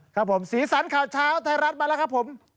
ครับผมสีสันข่าวเช้าไทยรัฐมาแล้วครับผม